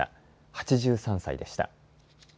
８３歳でした。